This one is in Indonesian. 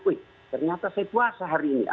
wih ternyata saya puasa hari ini